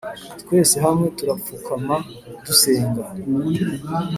twese hamwe turapfukama dusenga